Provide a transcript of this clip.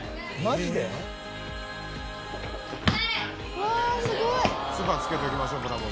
「うわあすごい」「つば付けときましょう『ブラボー』」